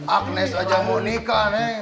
agnes aja mau nikah